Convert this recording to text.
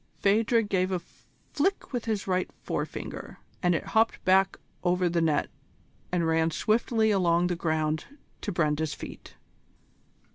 Phadrig gave a flick with his right forefinger, and it hopped back over the net and ran swiftly along the ground to Brenda's feet.